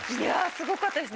すごかったです